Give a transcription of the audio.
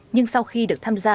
nhưng sau khi được tham gia